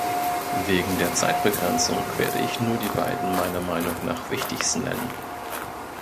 Wegen der Zeitbegrenzung werde ich nur die beiden meiner Meinung nach wichtigsten nennen.